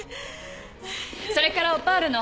それからオパールの。